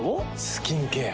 スキンケア。